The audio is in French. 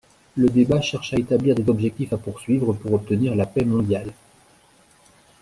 Le débat cherche à établir des objectifs à poursuivre pour obtenir la paix mondiale.